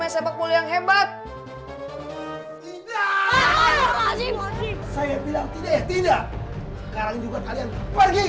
sekarang juga kalian pergi